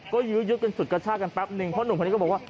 ก็ยื้อยึดกันสุดกระชากันแป๊บนึงเพราะหนุ่มคนนี้ก็บอกว่า